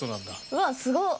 うわっすごっ！